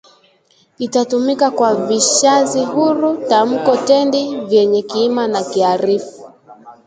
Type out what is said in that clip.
itatumika kwa vishazi huru tamko -tendi vyenye kiima na kiarifu